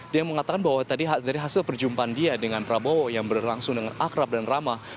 dia mengatakan bahwa tadi dari hasil perjumpaan dia dengan prabowo yang berlangsung dengan akrab dan ramah